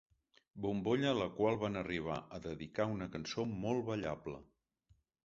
Bombolla a la qual van arribar a dedicar una cançó molt ballable.